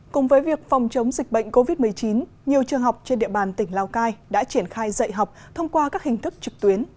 cùng với việc phòng chống dịch bệnh covid một mươi chín nhiều trường học trên địa bàn tỉnh lào cai đã triển khai dạy học thông qua các hình thức trực tuyến